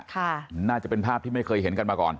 น่าจะเป็นภาพที่ไม่เคยเห็นกันมาก่อน